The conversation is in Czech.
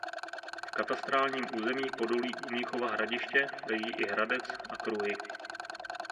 V katastrálním území Podolí u Mnichova Hradiště leží i Hradec a Kruhy.